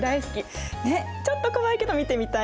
ちょっと怖いけど見てみたいみたいな。